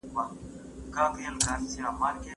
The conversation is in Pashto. لکه بيرغ پر خلکو پټ ګران ئې ميئنه